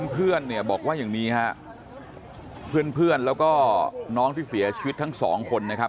เพื่อนเนี่ยบอกว่าอย่างนี้ฮะเพื่อนแล้วก็น้องที่เสียชีวิตทั้งสองคนนะครับ